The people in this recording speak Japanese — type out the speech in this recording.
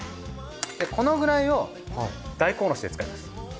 このくらいを大根おろしで使います。